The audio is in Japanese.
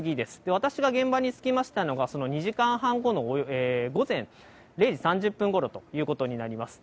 私が現場に着きましたのが、その２時間半後の午前０時３０分ごろということになります。